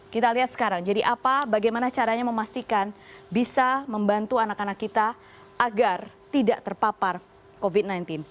kita lihat sekarang jadi apa bagaimana caranya memastikan bisa membantu anak anak kita agar tidak terpapar covid sembilan belas